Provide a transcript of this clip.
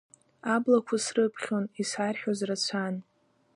Аблақәа срыԥхьон, исарҳәоз рацәан…